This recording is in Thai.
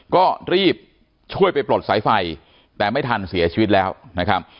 ก็รีบช่วยไปปลดสายไฟแต่ไม่ทันเสียชีวิตแล้วนะครับ